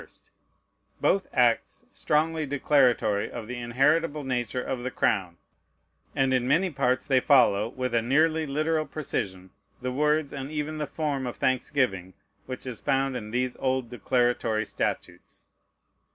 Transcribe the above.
1st, both acts strongly declaratory of the inheritable nature of the crown; and in many parts they follow, with a nearly literal precision, the words, and even the form of thanksgiving which is found in these old declaratory statutes.